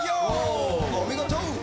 お見事！